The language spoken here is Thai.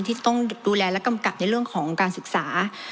ที่ต้องดูแลและกำกับในเรื่องของการศึกษา